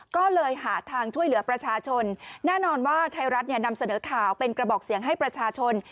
ก็เลยหาทางช่วยเหลือประชาชนแน่นอนว่าไทยรัฐเนี่ยนำเสนอข่าวเป็นกระบอกเสียงให้ประชาชน